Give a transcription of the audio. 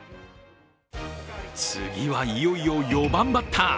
次はいよいよ４番バッター。